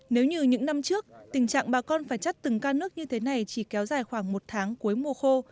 nếu như những năm trước tình trạng bà con phải chặt từng can nước như thế này chỉ kéo dài khoảng một tháng cuối mùa khô